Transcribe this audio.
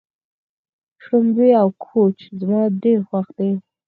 شړومبی او کوچ زما ډېر خوښ دي.